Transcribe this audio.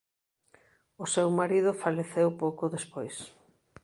O seu marido faleceu pouco despois.